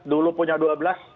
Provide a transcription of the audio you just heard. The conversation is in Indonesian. dulu punya dua belas